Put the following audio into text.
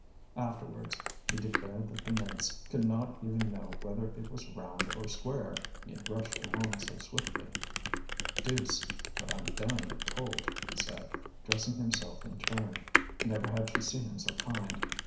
Afterwards he declared that the mates could not even know whether it was round or square, he had rushed along so swiftly. "The deuce! but I'm dying of cold," he said, dressing himself in turn. Never had she seen him so kind.